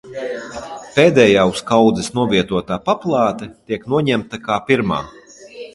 Pēdējā uz kaudzes novietotā paplāte tiek noņemta kā pirmā.